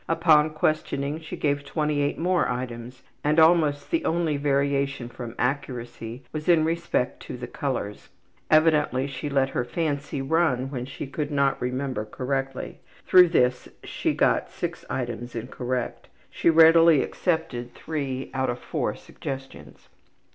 Upon questioning she gave 28 more items and almost the only variation from accuracy was in respect to the colors. Evidently she let her fancy run when she could not remember correctly; through this she got 6 items incorrect. She readily accepted 3 out of 4 suggestions.